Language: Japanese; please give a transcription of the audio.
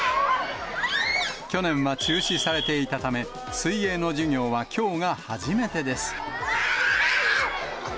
去年は中止されていたため、水泳の授業はきょうが初めてです。